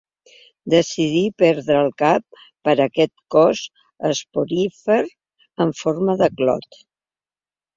Decidí perdre el cap per aquest cos esporífer en forma de clot.